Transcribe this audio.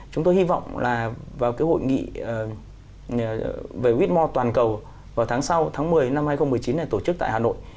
chúng tôi hy vọng là vào cái hội nghị về whitmore toàn cầu vào tháng sáu tháng một mươi năm hai nghìn một mươi chín này tổ chức tại hà nội